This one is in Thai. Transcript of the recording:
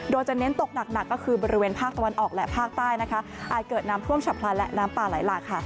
โดยจะเน้นตกหนักก็คือบริเวณภาคตะวันออกและภาคใต้นะคะอาจเกิดน้ำท่วมฉับพลันและน้ำป่าไหลหลากค่ะ